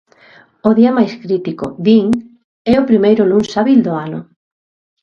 O día máis crítico, din, é o primeiro luns hábil do ano.